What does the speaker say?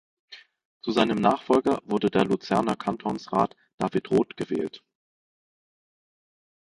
Zu seinem Nachfolger wurde der Luzerner Kantonsrat David Roth gewählt.